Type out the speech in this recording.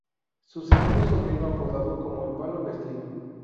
Su segundo sobrino apodado como el "Palo vestido"